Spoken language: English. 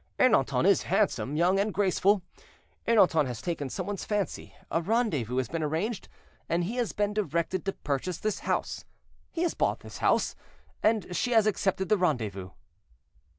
Ernanton is handsome, young, and graceful; Ernanton has taken some one's fancy, a rendezvous has been arranged, and he has been directed to purchase this house; he has bought the house, and she has accepted the rendezvous.